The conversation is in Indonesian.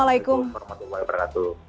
waalaikumsalam warahmatullahi wabarakatuh